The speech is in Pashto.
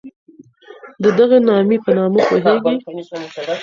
د دغي نامې په مانا پوهېږئ؟